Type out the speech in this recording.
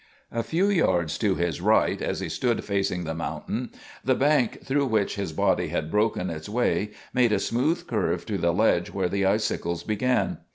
A few yards to his right, as he stood facing the mountain, the bank through which his body had broken its way made a smooth curve to the ledge where the icicles began.